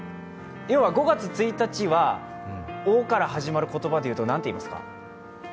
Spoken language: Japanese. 要は５月１日は「お」から始まる言葉で言いますと何と言いますか？